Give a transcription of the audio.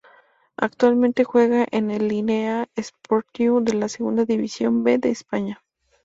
Actualmente juega en el Lleida Esportiu, de la Segunda División B de España.